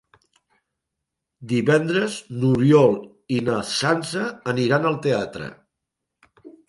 Divendres n'Oriol i na Sança aniran al teatre.